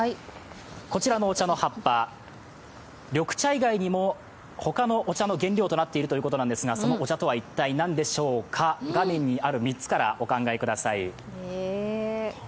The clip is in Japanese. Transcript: こちらのお茶の葉っぱ、緑茶以外にも他のお茶の原料になっているということなんですが、そのお茶とは一体何でしょうか、画面にある３つからお考えください